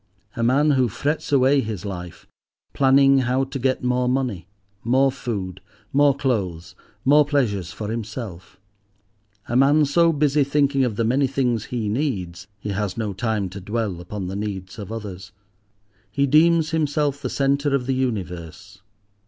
A man who frets away his life, planning how to get more money—more food, more clothes, more pleasures for himself; a man so busy thinking of the many things he needs he has no time to dwell upon the needs of others. He deems himself the centre of the universe.